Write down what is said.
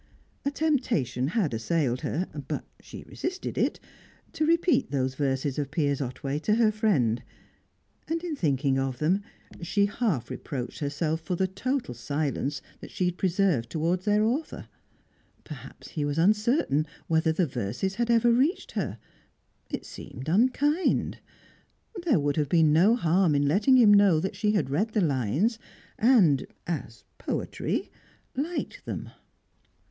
A temptation had assailed her (but she resisted it) to repeat those verses of Piers Otway to her friend. And in thinking of them, she half reproached herself for the total silence she had preserved towards their author. Perhaps he was uncertain whether the verses had ever reached her. It seemed unkind. There would have been no harm in letting him know that she had read the lines, and as poetry liked them.